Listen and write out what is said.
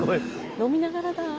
飲みながらだ。